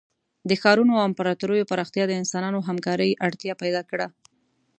د ښارونو او امپراتوریو پراختیا د انسانانو همکارۍ اړتیا پیدا کړه.